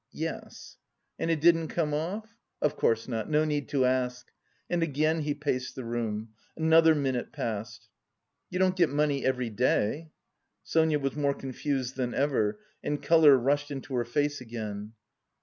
"Yes." "And it didn't come off! Of course not! No need to ask." And again he paced the room. Another minute passed. "You don't get money every day?" Sonia was more confused than ever and colour rushed into her face again.